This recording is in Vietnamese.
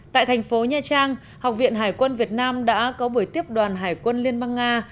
tại thành phố nha trang học viện hải quân việt nam đã có buổi tiếp đoàn hải quân liên bang nga